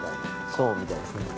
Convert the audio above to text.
そうみたいですね。